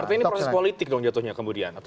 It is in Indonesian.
artinya ini proses politik dong jatuhnya kemudian